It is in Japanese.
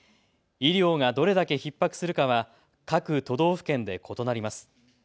医療がどれだけひっ迫するかは各都道府県で異なります。